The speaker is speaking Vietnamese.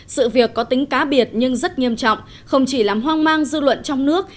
sự việc có tính cá biệt nhưng rất nghiêm trọng không chỉ làm hoang mang dư luận trong nước